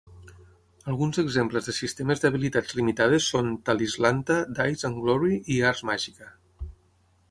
Alguns exemples de sistemes d'habilitats limitades són Talislanta, Dice and Glory i Ars Magica.